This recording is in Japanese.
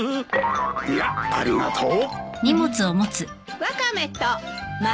いやありがとう。